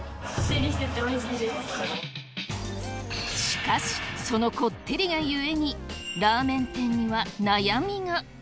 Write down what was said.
しかしそのコッテリがゆえにラーメン店には悩みが。